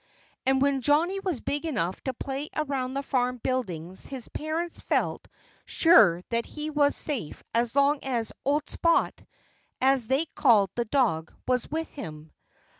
And when Johnnie was big enough to play around the farm buildings his parents felt sure that he was safe so long as "old Spot," as they called the dog, was with him.